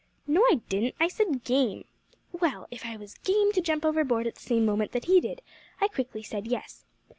"No, I didn't; I said game." "Well if I was game to jump overboard at the same moment that he did? I quickly said yes.